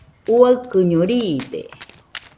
Uaikɨño riide.